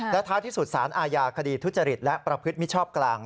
และท้ายที่สุดสารอาญาคดีทุจริตและประพฤติมิชชอบกลาง